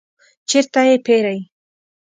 چیرته یی پیرئ؟